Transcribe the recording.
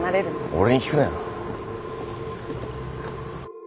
俺に聞くなよ。